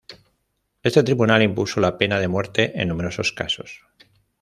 Este tribunal impuso la pena de muerte en numerosos casos.